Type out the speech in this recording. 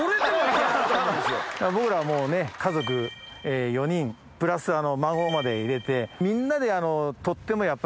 僕らはもうね家族４人プラス孫まで入れて。